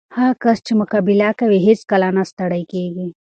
هغه کس چې مقابله کوي، هیڅکله نه ستړی کېږي.